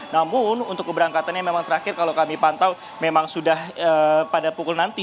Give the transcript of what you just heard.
namun untuk keberangkatannya memang terakhir kalau kami pantau memang sudah pada pukul nanti